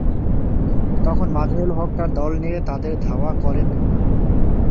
তখন মাজহারুল হক তার দল নিয়ে তাদের ধাওয়া করেন।